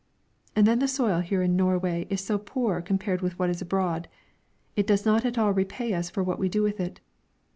And then the soil here in Norway is so poor compared with what it is abroad; it does not at all repay us for what we do with it.